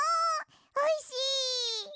おいしい！